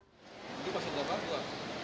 ini pasien ke depan